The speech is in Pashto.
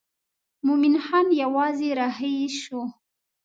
مومن خان یوازې رهي شو.